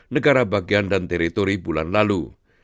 negara bagian dan teritori bulan lalu